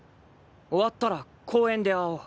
終わったら公園で会おう。